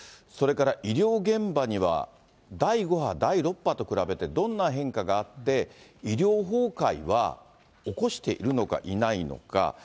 それから医療現場には第５波、第６波と比べてどんな変化があって、医療崩壊は起こしているのか、いないのか。